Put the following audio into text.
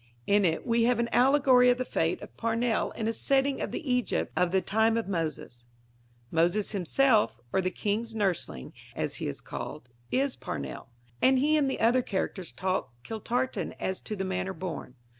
In it we have an allegory of the fate of Parnell in a setting of the Egypt of the time of Moses. Moses himself or the King's nursling, as he is called is Parnell; and he and the other characters talk Kiltartan as to the manner born.